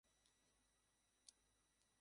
সকল জায়গাতেই যে ভাবের ঘরে চুরি, কেবল তাঁর ঘর ছাড়া।